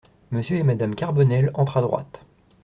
Monsieur et madame Carbonel entrent à droite.